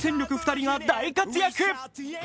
２人が大活躍。